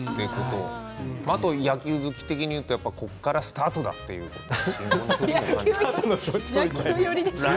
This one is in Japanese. あと野球好き的に言うとここからスタートだというね。